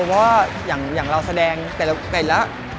เพราะว่าอย่างเราแสดงแต่ละ